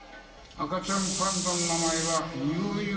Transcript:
赤ちゃんパンダの名前は、ユウユウ。